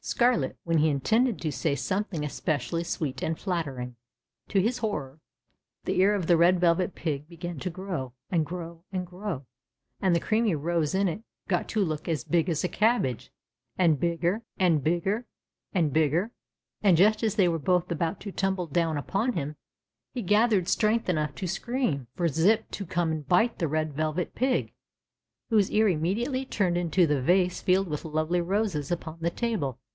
293 Scarlet, when he intended to say something especially sweet and flattering. TOMMY MAKES A GALLANT SPEECH TO ROSE SCARLET. To his horror the ear of the Red Velvet Pig began to grow, and grow, and grow, and the creamy rose in it got to look as big as a cabbage, and bigger, and 294 THE CHILDREN'S WONDER BOOK. bigger^ and bigger, and just as they Avere both about to tumble down upon him he gathered strength enough to scream for Zip to come and bite the Red Velvet Pig, Avhose ear immediately turned into the A^ase filled Avith lovely roses u23on the table.